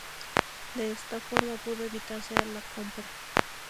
De esta forma pudo evitarse la compra.